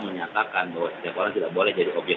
menyatakan bahwa setiap orang tidak boleh jadi obyek